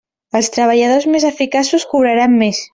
Els treballadors més eficaços cobraran més.